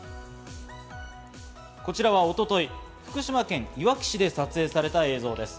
こちらは一昨日、福島県いわき市で撮影された映像です。